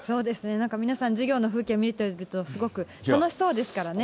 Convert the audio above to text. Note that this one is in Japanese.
なんか皆さん、授業の雰囲気を見ていると、すごく楽しそうですからね。